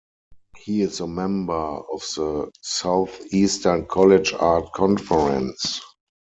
He is a member of the Southeastern College Art Conference.